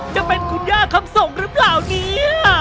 จะเป็นคุณย่าคำส่งหรือเปล่าเนี่ย